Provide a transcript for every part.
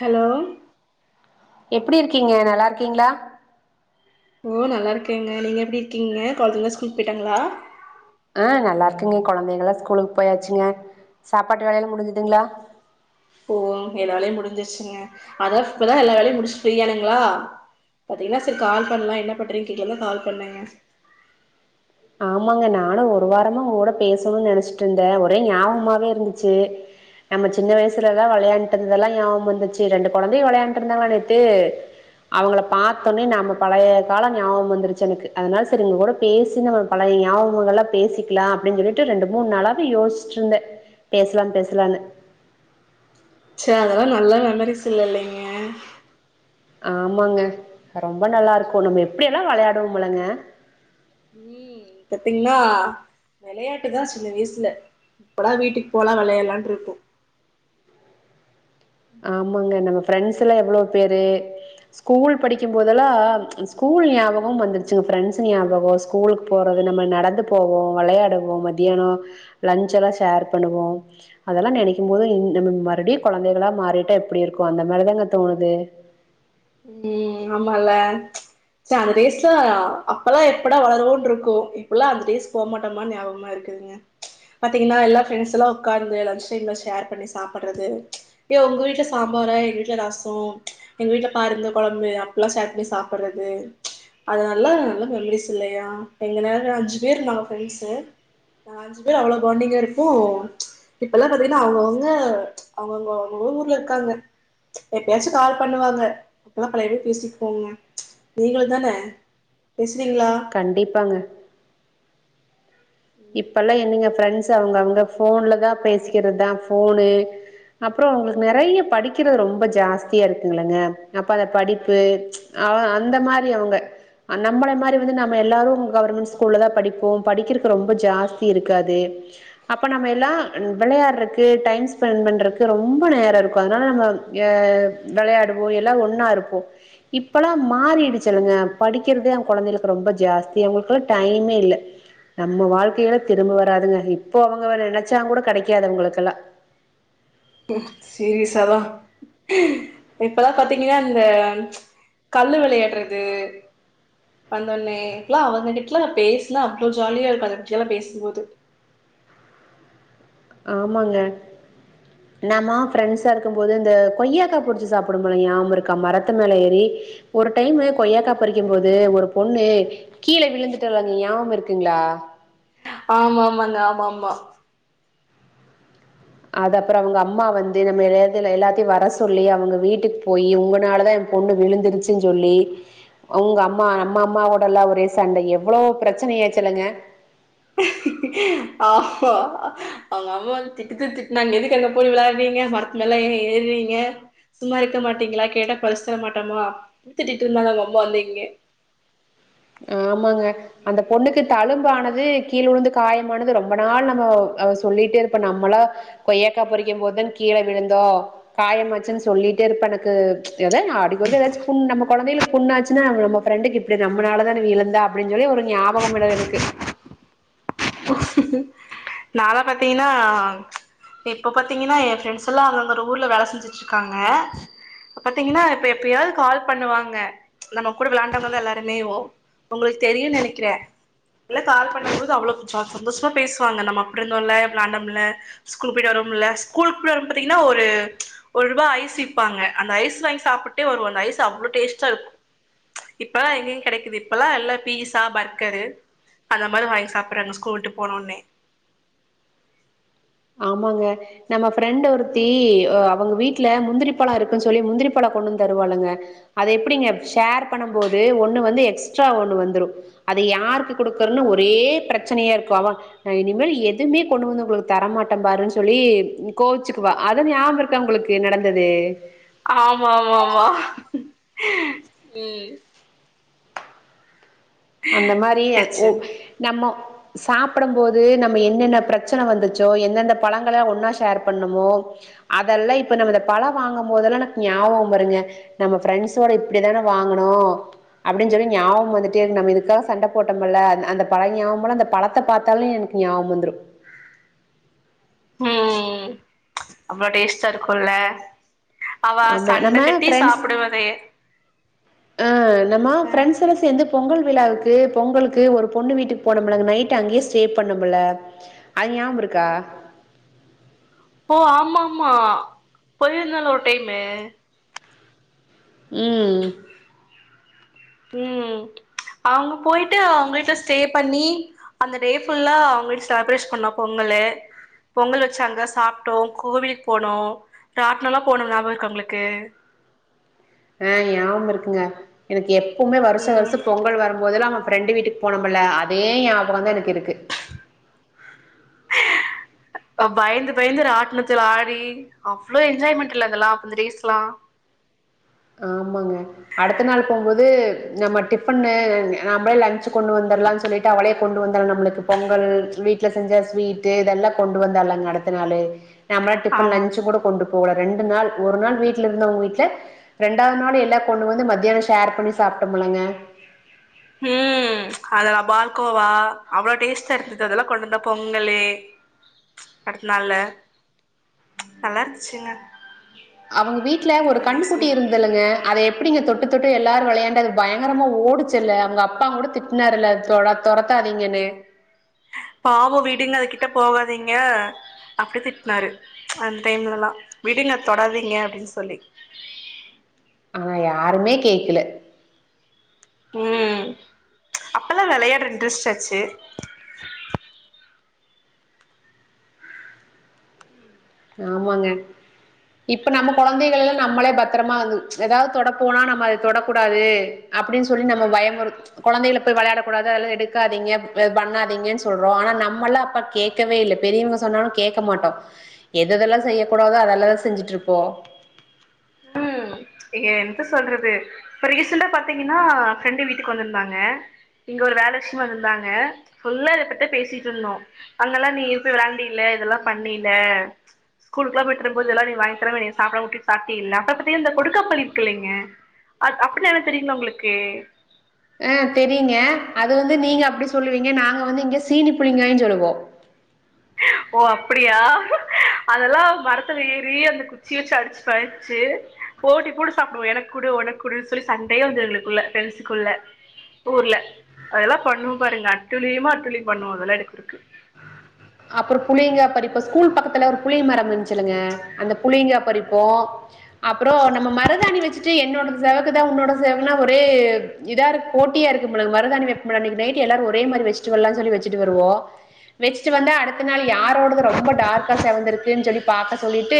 Hello எப்டி இருக்கீங்க? நல்லாருக்கீங்ளா? ஓ நல்லா இருக்கேங்க. நீங்க எப்டி இருக்கீங்க? கொழந்த ஸ்கூல் போய்ட்டாங்களா? அ நல்லாருக்ங்க. கொழந்தைங்ல்லா ஸ்கூலுக்கு போயாச்சுங்க. சாப்பாட்டு வேலயெல்லா முடிஞ்சுதுங்ளா? ஓ எல்லா வேலயு முடிஞ்சிருச்சிங்க. அதா இப்பதா எல்லா வேலயு முடிச்சி ஃப்ரீயானெங்ளா. பாத்தீங்கன்ன செரி கால் பண்லா என்ன பண்றீங்க கேக்கதா கால் பண்ணேங்க. ஆமாங்க நானு ஒரு வாரமா ஒங் கூட பேசனுன் நெனச்சிட்ருந்தே. ஒரே ஞாபமாவே இருந்துச்சி. நம்ம சின்ன வயசுல எல்லா வெளையாண்ட் இருந்தெல்லா ஞாபம் வந்துச்சி. ரெண்டு கொழந்தையு வெளையாண்ட்டுருந்தாங்ளா நேத்து அவுங்கள பாத்தொன்னே நம்ம பழைய காலோ ஞாபம் வந்துருச்சி எனக்கு. அதனால செரி உங்க கூட பேசி பழைய ஞாபங்கல்லா பேசிக்லா அப்டின் சொல்லிட்டு ரெண்டு மூணு நாளாவே யோசிச்சிட்ருந்தே பேஸ்லா பேஸ்லான்னு சே அதெல்லா நல்ல மெமரிஸ் இல்ல இல்லைங்க ஆமாங்க ரொம்ப நல்லாருக்கூ நம்ம எப்டியெல்லா வெளையாடுவோமில்லங்க. ம் பாத்தீங்னா வெளையாட்டுதா சின்ன வய்சுல. எப்படா வீட்டுக்கு போலா வெளையாட்லான்ருக்கூ. ஆமாங்க நாங் ஃப்ரெண்ட்ஸ் எல்லா எவ்ளோ பேரு ஸ்கூல் படிக்கும்போதெல்லா ச்ச் ஸ்கூல் ஞாபகம் வந்துருச்சு, ஃப்ரண்ட்ஸ் ஞாபகோ, ஸ்கூலுக் போறது, நம்ம நடந்து போவோ, வெளையாடுவோ மத்தியான்னோ லஞ்ச் எல்லா ஷேர் பண்ணுவோ. அதெல்லா நெனைக்கும்போது இ நம்ம மறுப்ட்யு கொழந்தைகளா யிட்டா எப்டி இருக்கூ, அந்த மாரிதாங்க தோணுது. ம் ஆமால்ல ச்ச் சே அந்த டேஸ்லா அப்பல்லா எப்படா வளருவோன்டுருக்கூ. இப்பல்லா அந்த டேஸ் போக் மாட்டோமா ஞாபகமா இருக்குதுங்க ச்ச் பாத்தீங்னா எல்லா ஃப்ரெண்ட்ஸ் எல்லா உக்கார்ந்து லஞ்ச் டைம்ல ஷேர் பண்ணி சாப்ட்றது ச்ச் ஏ உங்க வீட்ல சாம்பாரா எங்க வீட்ல ரசோ ச்ச் எங்க வீட்ல பருந்த கொழம்பு அப்டில்லா ஷேர் பண்ணி சாப்ட்றது ச்ச் அது நல்லா நல்ல மெமரீஸ் இல்லயா. எங்க கேங்ல அஞ்சு பேரு நாங்க ஃப்ரெண்ட்ஸு. நாங்க அஞ்சு பேர் அவ்ளோ பாண்டிங்கா இருப்போ ச்ச் இப்பல்லா பாத்தீங்ன்னா அவுங்கவுங்க அவுங்கவுங்க அவுங்க ஊ ஊர்ல இருக்காங்க ச்ச் எப்பயாச்சு கால் பண்ணுவாங்க. அப்பல்லா பழைய [unintelligible] பேசிப்போங்க. ப்ச் நீங்களுந்தான பேசி கண்டிப்பாங்க இப்பல்லா என்னங்க ஃப்ரண்ட்ஸு அவுங்கவுங்க ஃபோன்ல தா பேசிக்கிறது ஃபோனு அப்றொ அவுங்களுக்கு நெறைய்ய படிக்கிறது ரொம்ப ஜாஸ்தியா இருக்குங்கல்லங்க. அப்ப அத படிப்பு ச்ச் அவ அந்த மாரி அவுங்க. நம்மெளெ மாரி வந்து நம்ம எல்லாரு இ கவுர்மெண் ஸ்கூல்ல தா படிப்போ. படிக்கிற ரொம்ப ஜாஸ்தி இருக்காது. அப்ப நம்ம எல்லா வெளையாட்றக்கு, டைம் ஸ்பெண் பண்றக்கு ரொம்ப நேரோ இருக்கூ. அதனால நம்ம அ வெளையாட்வோ எல்லா ஒண்ணா இருப்போ. இப்பல்லா மாறிடிச்சில்லங்க படிக்கிறதே அவ் கொழந்தைளுக்கு ரொம்ப ஜாஸ்தி அவுங்ளுக்கெல்லா டைம்மே இல்ல. நம்ம வாழ்க்கையெல்லா திரும்ப வராதுங்க. இப்போ அவங்க வே நெனைச்சாங்கூட கெடைக்காது அவுங்ளுக்கெல்லா. ம் சீரியஸாதா இப்பலா பாத்தீங்ன்னா இந்த ச்ச கல்லு வெளையாட்றது வந்தோன்னே, இப்பல்லா அவங்ககிட்லா பேசுனா அவ்ளோ ஜாலியா இருக்கு அத பத்தி எல்லா பேசம்போது. ஆமாங்க நாம்மோ ஃப்ரெண்ட்ஸ்ஸா இருக்கும்போது இந்த கொய்யாக்கா புடிச்சி சாப்டுவோ [unintelligible] ஞாபம் இருக்கா. மரத்து மேல ஏறி ஒரு டைமு கொய்யக்கா பறிக்கும்போது ஒரு பொண்ணு கீழே விழுந்துட்டாலங்க. அது ஞாப இருக்குங்களா? ஆமா ஆமாங்க ஆமா ஆமா அது அப்றொ அவுங்க அம்மா வந்து நம்ம எல்லாத்தல எல்லாத்தையு வர சொல்லி அவுங்க வீட்டுக் போயி ஒங்கனாலதா எனன பொண்ணு விழுந்துருச்சுன்னு சொல்லி அவுங்க அம்மா நம்ம அம்மாவோடல்லா ஒரே சண்ட எவ்ளோவ் ப்ரெச்சனயாச்சில்லங்க ஆம்மா அவுங்க அம்மா வந்து திட்டு திட்டு திட்னாங்க. எதுக்கு அங்க போய் விளாட்றீங்க, மரத்து மேல ஏ ஏற்றீங்க, சும்மா இருக்க மாட்டீங்ளா? கேட்டா பறிச் தர மாட்டமா திட்டிட் இருந்தாங்க அவுங்க அம்மா வந்து இங்கெ. ஆமாங்க அந்த பொண்ணுக்கு தழும் பானது கீழ உழுந்து காயமானது ரொம்ப நாள் நம்மோ அவ சொல்லிட்டே இருப்பா. நம்மலா கொய்யக்கா பறிக்கம்போதுதா கீழ விழுந்தோ காயமாச்சுன் சொல்லிட்டே இருப்பா. எனக்கு ச்ச் அடிக்கொருக்க எதாச் புண் நம்ம கொழந்தைளுக்கு புண்ணாச்சினா நம்ம ஃபரண்டுக்கு இப்டி நம்ளால தா விழுந்தா அப்டிஞ் சொல்லி ஒரு ஞாபகம் [unintelligible] எனக்கு. நால்லா பாத்தீங்ன்னா ப்ச் இப்போ பாத்தீங்ன்னா என் ஃப்ரெண்ட்ஸ் எல்லா அந்தந்த ஊர்ல வேல செஞ்சுட்ருக்காங்க. பாத்தீங்ன்னா இப்ப எப்பயாவது கால் பண்ணுவாங்க ச்ச் நம்ம கூட விளாண்டவங்கதா எல்லாருமேவு உங்களுக் தெரியூ நெனைக்றே. இல்ல கால் பண்ணும்போது அவ்ளோ சந்தோஷமா பேசுவாங்க. நம்ம அப்டி இருந்தோமில்ல, வெளாண்டோமில்ல, ஸ்கூல்க்கு போய்ட்டு வருவோமில்ல, ஸ்கூலுக்கு போய்ட் வரும்போது பாத்தீங்ன்னா ஒரு, ஒரு ரூபா ஐஸ் விப்பாங்க அந்த ஐஸ் வாங்கி சாப்புட்டே வருவே அந்த ஐஸ் அவ்ளோ டேஸ்ட்டா இருக் ச்ச் இப்பல்லா எங்கெங்க கெடெக்கிது. இப்பல்லா எல்லா பீஸா பர்கரு அந்த மாரி வாங்கி சாப்றாங்க கூட்டு போனவொன்னே ஆமாங்க நம்ம ஃப்ரெண்ட்டு ஒருத்தி அ அவுங்க வீட்ல முந்திரிப்பழோ இருக்குன்னு சொல்லி முந்திரி பழோ கொண்டு வந்து தருவால்லங்க. அத எப்டிங்க ஷேர் பண்ணும்போது ஒண்ணு வந்து எக்ஸ்ட்ரா ஒண்ணு வந்துரு. அது யாருக்கு குடுக்குற்ன்னு ஒரே ப்ரெச்சனையா இருக்கு. அவ நா இனிமேல் எதுவுமே கொண்டு வந்து உங்குளுக் தரமாட்டே பாருன் சொல்லி கோவிச்சுக்குவா. அது ஞாப இருக்கா உங்களுக்கு நடந்தது. ஆமா ஆமா ஆமா ம் அந்த மாரி ஹச்சு ஓ நம்மொ சாப்படும்போது நம்ம என்னென்ன ப்ரெச்சனை வந்துச்சோ எந்தெந்த பழங்களல்லா ஒன்னா ஷேர் பண்ணுமோ அதெல்லா இப்ப நம்ம பழ வாங்கும் போதெல்லா எனக் ஞாபகம் வருங்க நம்ம ஃப்ரெண்ஸோட இப்டித்தானே வாங்குணு அப்டின் சொல்லி ஞாபகோ வந்துட்டே இரு நம்ம இதுக்கு க்காக சண்ட போட்டமல்ல அ அந்த பழய ஞாபமலா அந்த பழத்த பாத்தாலே எனக்கு ஞாபம் வந்துரு ம் ச்ச் அவ்ளோ டேஸ்டா இருக்குல்ல அவ ஆமா சண்ட கட்டி சாப்பிடுவ அதேயே அ த மா பிரெண்ட்ஸ் சேர்ந்து பொங்கல் விழாவுக்கு பொங்கலுக்கு ஒரு பொண்ணு வீட்டுக்கு போன முல நைட் அங்கேயே ஸ்டே பண்ண முல அது நாவ இருக்கா ஓ ஆமா ஆமா போயிருந்தல ஒரு டைமு உம் உம் அவங்க போயிட்டு அவங்க வீட்டுல ஸ்டே பண்ணி அந்த டே ஃபுல்லா அவங்க வீட்டு செலப்ரேஷ் பண்ண பொங்கல பொங்கல் வெச்சாங்க சாப்பிட்டோ கோவிலுக்கு போனோ ராட்ட்னல்லா போன ஞாபம் இருக்கு உங்களுக்கு ஆஹ் யாவம் இருக்குங்க எனக்கு எ எப்மே வருசொ ம் வருசொ பொங்கல் வரும்போதல்லாம் ஃப்ரெண்டு வீட்டுக்கு போனோமல அதே ஞாபக தா எனக்கு இருக்கு பயந்து பயந்து ராட்டணத்துலா ஆடி அவ்வளவு என்ஜாய்மெண்ட் இதெல்லா அப்ப இந்த ரீஸ்லா ஆமாங்க அடுத்த நாள் போவும்போது நம்ம டிஃபன்னு நம்மளே லஞ்சு கொண்டு வந்துரலாம்னு சொல்லிட்டு அவளே கொண்டு வந்தலா நம்மளுக்கு பொங்கல் வீட்டுல செஞ்ச ஸ்வீட்டு இதெல்லா கொண்டு வந்தாலங்க அடுத்த நாள் நம்ம ஆமா டிபன்லஞ்ச கூட கொண்டு போவுல ரெண்டு நாள் ஒரு நாள் வீட்டு்ல இருந்தா உங்க வீட்டுல ரெண்டாவது நாள் எல்லா கொண்ணு வந்து மத்தியானம் ஷேர் பண்ணி சாப்பிட்டலங்க உம் அதெல்லாம் பால்கோவா அவ்வளவு டேஸ்டா இருந்தது அதெல்லா கொண்டு வந்தா பொங்கல் அடுத்த நாள்ல நல்லா இருந்துச்சுங்க அவங்க வீட்டுல ஒரு அந்த கண்ணு டேஸ்ஸு குட்டி இருந்தல்லுங்க அதய எப்படிங்க தொட்டு தொட்டு எல்லாரும் விளையாண்ட அது பயங்கரமா ஓடுச்சுல்ல அவங்க அப்பா கூட திட்டினார்ல்லா துரத்தாதீங்கன்னு பாவம் வீடுங்க கிட்ட போகாதீங்க அப்படி திட்டினாரு அந்த டைம்லல்லா விடுங்க தொடாதீங்க அப்படின்னு சொல்லி ஆனா யாருமே கேக்கல உம் அப்பல்லா விளையாடுற இன்ட்ரெஸ்ட ஆச்சு ம் ஆமாங்க இப்ப நம்ம குழந்தைகள் எல்லாம் நம்மளே பத்திரமா வ ஏதாவது தொட போனா நம்ம அதை தொடக்கூடாது அப்படின்னு சொல்லி நம்ம பயமுற குழந்தைக போய் விளையாடக்க கூடாது அதது எடுக்காதீங்க பண்ணாதீங்கன்னு சொல்றோம் ஆனா நம்மல்லா கேடக்கவே இல்லபெரியவங்க சொன்னாலு கேட்க மாட்டோம் எதுதெல்லாம் செய்ய கூடாதோ அதெல்லதா செஞ்சுட்டு இருப்போம் ஏ என்ன சொல்றது ரீசன்டா பாத்தீங்கன்னா ஃப்ரெண்டு வீட்டுக்கு வந்திருந்தாங்க இங்க ஒரு வேல விட்சியமா வந்திருந்தாங்க ஃபுல்ல இத பத்தி பேசிட்டு இருந்தோ அங்கெல்லா நீ இருப்பி விளண்ட இல் இதெல்லா பண்ணல ஸ்கூலு எல்லா போயிருர போது இதல்லா நீ வாங்கிக்கிற நீ சாப்பிடட்டிட்டு சாப்டில்ல அ பத்தி இந்த கெடுக்கா புலி பண்ணிருக்கலலைங்க அ அப்படினா என்னன்னு தெரியுங்கள உங்களுக்கு அஹ் தெரியுங்க அது வந்து நீங்க அப்படி சொல்லுவீங்க நாங்க வந்து இங்க சீனி புளிங்காயன்னு சொல்லுவோ ஓ அப்படியா அதெல்லா மரத்துல ஏறி அந்த குச்சிய வெச்சு அடிச்சு படிச்சு போட்டி போட்டு சாப்பிடுவோ என குடு உன குடுன்னு சொல்லி சண்டே வந்துவங்களுக்குள்ள ப்ரெண்ட்ஸக்குள்ள ஊர்ல அதெல்லாம் பண்ணும் பாருங்க அட்டுளியுமா அட்டுளி பண்ணுவோ அதெல்லா எடுக்கு இருக்கு அப்புற புலிங்க பறிப்போம் ஸ்கூல் பக்கத்துல ஒரு புலிய மரம் இருந் சொல்லுங்க அந்த புளிங்கா பறிப்போ அப்புறம் நம்ம மருதாணி வெச்சு வெச்சிட்டு என்னேடு செவக்குதா உன்னேடு செவாக்குதா நைட்டு ஒரே இதா போட்டியா இருக்கும்ல மருதாணி வெக் அன்னிக்கு நைட்டு ஒரே மாதிரி வச்சுட்டு வருவோம வெச்சுட்டு சு வந்த அடுத்த நாள் யாரோடது ரொம்ப டார்க்கா சேவந்திருக்குன்னு சொல்லி பார்க்க சொல்லிட்டு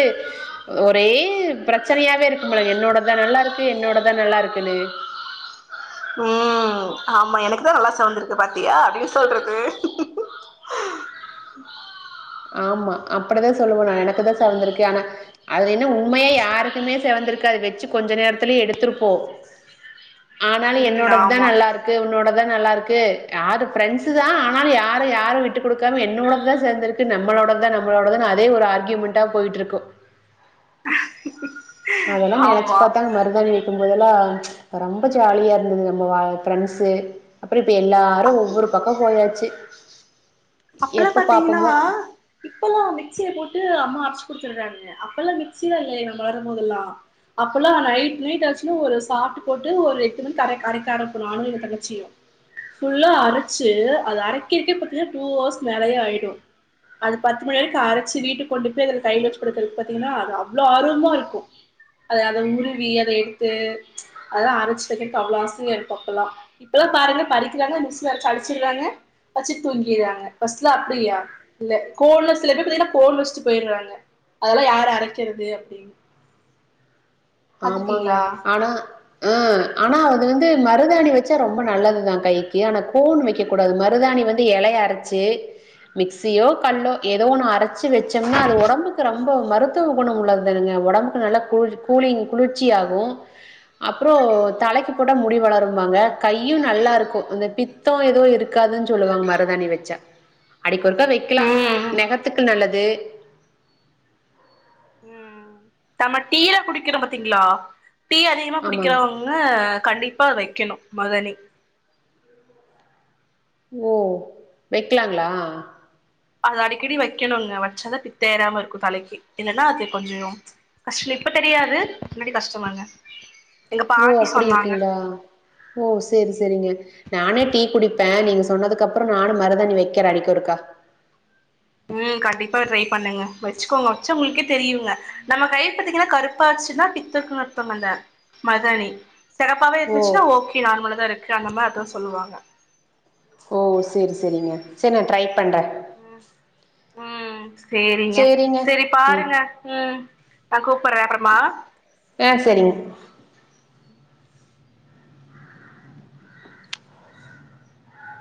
ஒரே பிரச்சனையாவே இருக்கு என்னோடதா நல்லா இருக்கு என்னோடதா நல்லா இருக்குன்னு உம் ஆமா எனக்குதா நல்லா செவந்திருக்கு பாத்தியா அப்படினு சொல்றது ஆமா அப்படி தான் சொல்லுவோ நா எனக்கு தா செவர்ந்திருக்கு ஆனா அதுல என்ன உண்மையா யாருக்குமே செவந்திருக்காது வச்சு கொஞ்ச நேரத்துலயே எடுத்திருப்போ ஆனாலு ம் என்னோட தா ஆமா நல்லா இருக்கு உன்னோட தா நல்லா இருக்கு யாரு பிரெண்ட்ஸ் தா ஆனாலு யாரு யாரு விட்டு கொடுக்காம என்னோடதா செவந்திருக்கு இது நம்மளோட தா நம்மளோட தா அதே ஒரு ஆர்கயுமெண்டா போயிட்டுருக்கு அதெல்லா நனச்சு ஆமா பாத்தாங்க மருதாணி வக்கும்போதெல்லா ப ரொம்ப ஜாலியா இருந்தது நம்ம வ ப்ரெண்ட்ஸு அப்றோ இப்ப எல்லாரு ஒவ்வொரு பக்கோ போயாச்சு அப்பல்லா எப்ப பாத்தீங்கன்னா பாப்போமோ இப்பல்லா மிக்சிய போட்டு அம்மா அரச்சு [unintelligible] அப்பலா மிக்ஸில இல்ல நம்ம வரும்போதெல்லா நைட் கிட் ஆச்சுன்னா சாப்டு போட்டு ஒரு எட்டு மணிக்கு அரைக் அரைக்க நானு எங்க தங்கச்சியு புல்லா அரைச்சு அத அறைக்கிறக்கே பாத்தின்னா டூ ஹவர்ஸ் மேலயே ஆயிடு அது பத்து மணி வரைக்கு அரச்சு வீட்டு கொண்டு போய் அதுல கை வச்சு படுக்கறதுக்கு பாத்தீங்கன்னா அது அவ்ளோ ஆர்வமா இருக்கு அத அத உருவி அத எடுத்து அதெல்லா அரச்சு வக்க அவ்ளோ ஆசையா இருக்கு அப்பல்லா இப்பல்லா பாருங்க பறிக்கிறாங்க மிக்ஸில வச்சு அடிச்சடுறாங்க வச்சு தூங்கி செய்றாங்க ஃபஸ்ட்ல அப்டியா இல்ல கோன்ல சில பேர் பாத்தீங்கன்னா கோன் வச்சிட்டு போய்றாங்க அதெல்லா யாரு அரக்கிறது அப்டின்னு ஆமாங்க பாத்துருக்கீங்களா ஆனா அ ஆனா அது வந்து மருதாணி வச்சா ரொம்ப நல்லதுதா கைக்கு ஆனா கோன் வக்க கூடாது மருதாணி வந்து எலைய அரச்சு மிக்சியோ கல்லோ ஏதோ ஒன்னு அரச் னி வச்சம்னா அது ஒடம்புக்கு ரொம் மருத்துவ குனோ உள்ளதுங்க ஒடம்புக்கு நல்லா கூல் கூலிங் குளிர்ச்சி ஆகு அப்ற தலைக்கு போட்டா முடி வளரும்பாங்க கையு நல்லாருக்கு அந்த பித்தோ ஏதோ இருக் ரக்காதுன்னு சொல்லுவாங்க மருதாணி வச்சா அடிக் ஒருக்கா வக்கலா ம் நெகத்துக்கு நல்லது ம்ம் நம்ம டீயெல்லா குடிக்கிறோ பாத்தீங்களா டீ அதிகமா ஆமாங்க. குடிக்கிறவங்க கண்டிப்பா வக்கணு மருதாணி ம் வக் க்கலாங்களா அது அடிக்கடி வக்கணுங்க வச்சதா பித்த ஏறாமருக்கு தலைக்கு இல்லன்னா அது கொஞ்சோ கஷ்டம்ல இப்ப தெரியாது முன்னாடி கஷ்டமாங்க எங்க ஓ பாட்டி அப்டி சொன்னாங்க இருக்கீங்களா ஓ சரி சரிங்க நானே டீ குடிப்பே நீங் சொன்னதுக்குகப்பறம் நானு மருதாணி வக்குறே அடிக்கு ஒருக்கா உம் கண்டிப்பா ட்ரை பண்ணுங்க வச்சுக்கோங்க வச்சா உங்களுக்கே தெரியுங்க நம்ம கை பத்தீங்கனா கருப்பாச்சுன்னா பித்தருக்கு அர்த்தமாங்க மருதாணி செகப்பாவவே ஓ இருந்துச்சுன்னா ஓகே நார்மலதாஇரு காணமா அதா சொல்லுவாங்க ஓ சரி சரிங்க சரி ந ட்ரை பண்றே உம் உம் சேரிங்க சரி ம் பாருங்க உம் தாக்கும் கூப்டுறே அப்றமா ஆ சேரிங்க